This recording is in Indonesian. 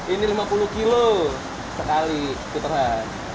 ini lima puluh kg sekali keterhan